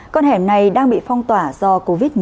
con hẻm này đang bị phong tỏa do covid một mươi chín